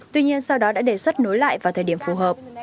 tuy nhiên sau đó đã đề xuất nối lại vào thời điểm phù hợp